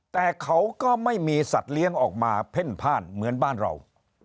แต่เขาก็ไม่มีสัตว์เลี้ยงออกมาเพ่นพ่านเหมือนบ้านเรา